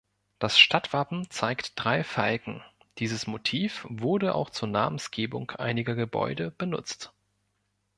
Das Stadtwappen zeigt drei Falken, dieses Motiv wurde auch zur Namensgebung einiger Gebäude benutzt.